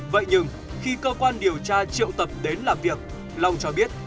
vậy nhưng khi cơ quan điều tra triệu tập đến làm việc long cho biết